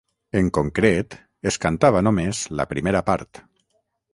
En concret, es cantava només la primera part.